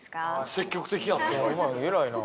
積極的やな。